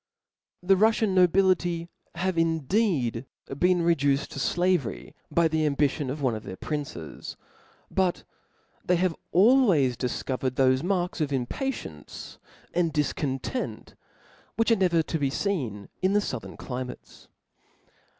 The Ruffian nobility have indeed been reduced to flavery by the ambition of one of their princes; but they have always difcovered thofe marks of impatience and difcontent, which arc never to be feen in the fouthern climates.